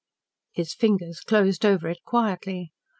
His fingers closed over it quietly.